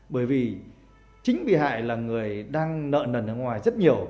bởi vì chính bị hại là người đang nợ nần ở ngoài rất nhiều